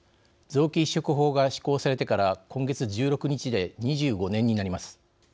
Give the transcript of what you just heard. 臓器移植法が施行されてから今月１６日で２５年になります。